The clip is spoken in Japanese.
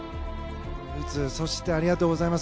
ありがとうございます。